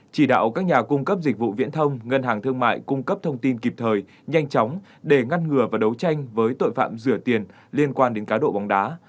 chỉ đạo các nhà cung cấp dịch vụ viễn thông ngân hàng thương mại cung cấp thông tin kịp thời nhanh chóng để ngăn ngừa và đấu tranh với tội phạm rửa tiền liên quan đến cá độ bóng đá